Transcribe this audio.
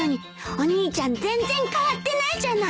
お兄ちゃん全然変わってないじゃない！